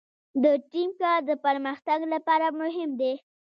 د ټیم کار د پرمختګ لپاره مهم دی.